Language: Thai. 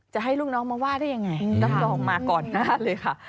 จะให้ลูกน้องมาว่าได้ยังไงรับรองมาก่อนหน้าเลยค่ะ